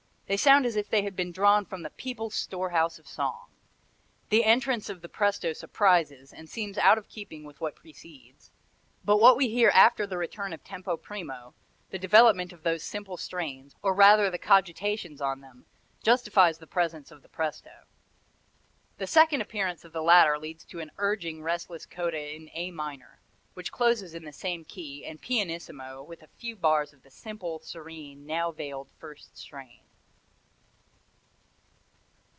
They sound as if they had been drawn from the people's store house of song. The entrance of the presto surprises, and seems out of keeping with what precedes; but what we hear after the return of tempo primo the development of those simple strains, or rather the cogitations on them justifies the presence of the presto. The second appearance of the latter leads to an urging, restless coda in A minor, which closes in the same key and pianissimo with a few bars of the simple, serene, now veiled first strain."